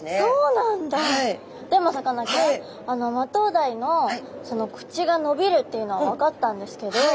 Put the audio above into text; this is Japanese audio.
でもさかなクンマトウダイの口が伸びるっていうのは分かったんですけど